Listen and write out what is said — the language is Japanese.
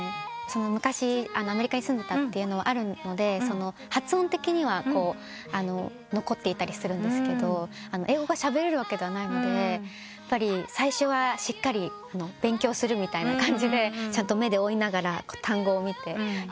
昔アメリカに住んでたのもあるので発音的には残っていたりするんですが英語がしゃべれるわけではないので最初はしっかり勉強するみたいな感じで目で追いながら単語を見てやっていく。